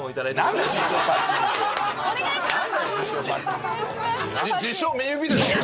お願いします！